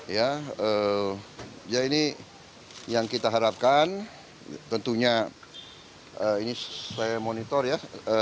ya ini yang kita harapkan tentunya ini saya monitor ya